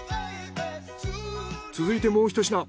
続いてもうひと品。